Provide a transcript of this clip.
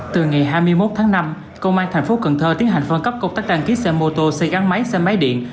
từ ngày hai mươi một tháng năm công an thành phố cần thơ tiến hành phân cấp công tác đăng ký xe mô tô xe gắn máy xe máy điện